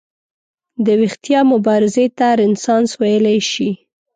د ویښتیا مبارزې ته رنسانس ویلی شي.